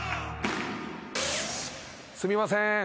すみません。